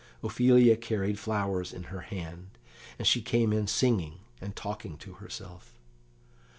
Ophelia carried flowers in her hand, and she came in singing and talking to herself.